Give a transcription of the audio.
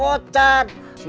masih ada lagi